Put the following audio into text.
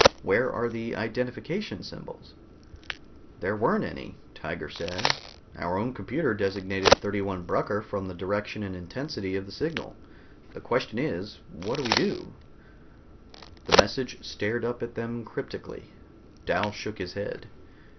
"Where are the identification symbols?" "There weren't any," said Tiger. "Our own computer designated 31 Brucker from the direction and intensity of the signal. The question is, what do we do?" The message stared up at them cryptically. Dal shook his head.